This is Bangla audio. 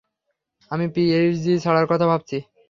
আমি পিএইচডি ছাড়ার কথা ভাবছি।